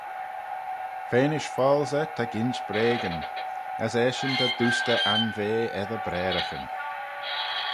Feanish foalsey ta ginsh breagyn, as eshyn ta doostey anvea eddyr braaraghyn.